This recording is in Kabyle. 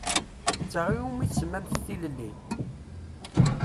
D ta i wumi tsemmamt tilelli?